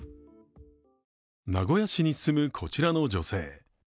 名古屋市に住むこちらの女性。